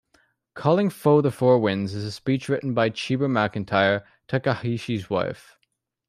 "Calling foe the Four Winds" is a speech written by Cheaber McIntyre, Takahishi's wife.